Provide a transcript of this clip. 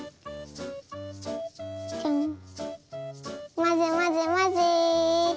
まぜまぜまぜ。